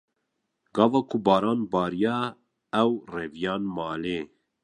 Gava ku baran bariya, ew reviyan malê.